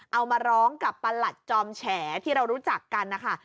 เอามาร้องกับประหลัดจอมแฉที่เรารู้จักกันนะคะ